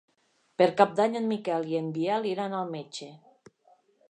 Per Cap d'Any en Miquel i en Biel iran al metge.